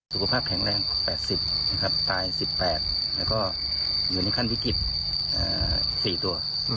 สุขภาพแข็งแรง๘๐นะครับตาย๑๘แล้วก็อยู่ในขั้นวิกฤต๔ตัว